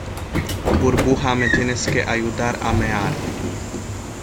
burbuja, me tienes que ayudar a mear.